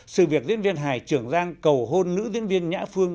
sự việc diễn viên hài trưởng giang cầu hôn nữ diễn viên nhã phương